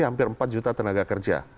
hampir empat juta tenaga kerja